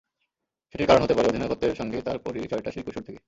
সেটির একটা কারণ হতে পারে, অধিনায়কত্বের সঙ্গে তাঁর পরিচয়টা সেই কৈশোর থেকেই।